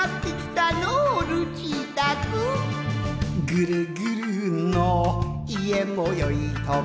「ぐるぐるの家もよいとこ」